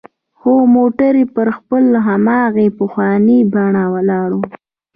خو موټر پر خپل هماغه پخواني بڼه ولاړ و.